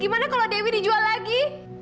gimana kalau dewi dijual lagi